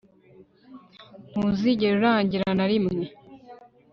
ntuzigera urangira na rimwe